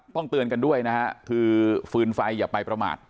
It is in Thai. เตือนกันด้วยนะฮะคือฟืนไฟอย่าไปประมาท